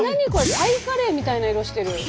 タイカレーみたいな色してる。